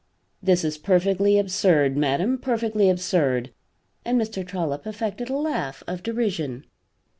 "This is perfectly absurd, madam, perfectly absurd!" and Mr. Trollop affected a laugh of derision.